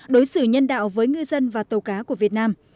đối xử nhân đạo với ngư dân và tàu cá của việt nam